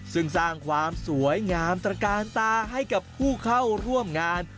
ซึ่งสร้างความสวยงามตระกาลตาให้กับผู้เข้าร่วมงาน